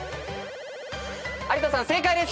有田さん正解です。